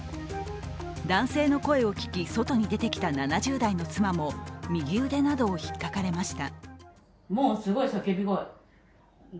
男性の声を聞き、外に出てきた７０代の妻も右腕などをひっかかれました。